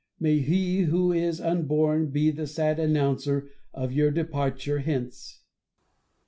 May he who is unborn be the sad announcer of your departure hence